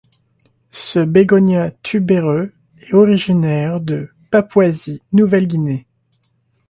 Ce bégonia tubéreux est originaire de Papouasie-Nouvelle-Guinée.